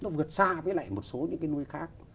nó vượt xa với lại một số những cái nơi khác